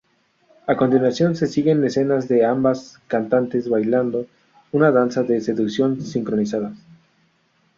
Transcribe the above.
A continuación se siguen escenas de ambas cantantes bailando una danza de seducción sincronizadas.